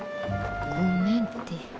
ごめんって。